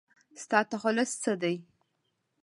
ستا تخلص څه دی ؟